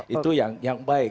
itu yang baik